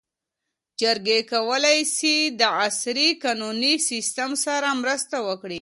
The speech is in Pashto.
جرګې کولی سي د عصري قانوني سیسټم سره مرسته وکړي.